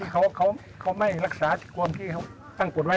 คุณจำที่เขาไม่รักษาที่ความที่เขาตั้งกฎไว้